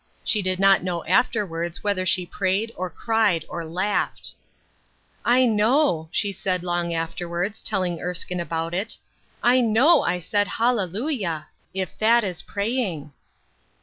She did not know afterwards whether she prayed, or cried, or laughed. " I know," she said, long afterwards, telling Erskine about it, "I know I said Hallelujah! if that is praying."